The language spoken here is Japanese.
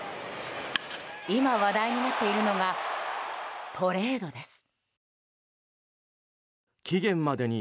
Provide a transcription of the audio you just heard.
今、話題になっているのがトレードです。